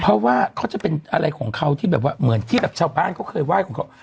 เพราะว่าเขาจะเป็นอะไรของเขาที่แบบว่าเหมือนที่แบบชาวบ้านเขาเคยไหว้ของเขา